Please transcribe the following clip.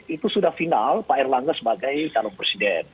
itu sudah final pak erlangga sebagai calon presiden